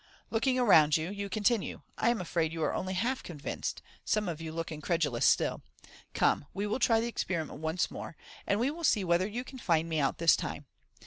Looking around you, you continue, " I am afraid you are only half convinced ; some of you look incredulous still. Come, we will try the experiment once more, and we will see whether you can find me out this time.